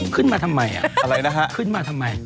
ขึ้นมาทำไมอะไรนะฮะขึ้นมาทำไม